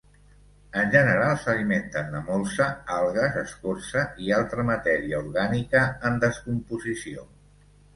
En general, s'alimenten de molsa, algues, escorça i altra matèria orgànica en descomposició.